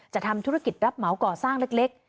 ทำธุรกิจรับเหมาก่อสร้างเล็ก